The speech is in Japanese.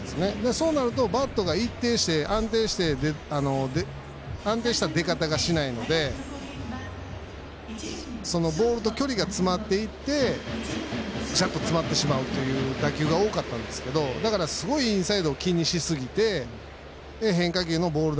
そうなるとバットが一定に安定した出方がしないのでボールと距離が詰まっていって詰まってしまうという打球が多かったんですがだからすごいインサイドを気にしすぎて変化球のボール